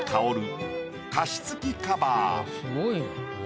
すごいな。